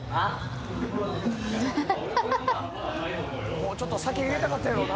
もうちょっと酒入れたかったやろな。